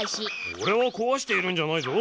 おれはこわしているんじゃないぞ。